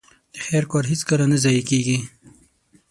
د خير کار هيڅکله نه ضايع کېږي.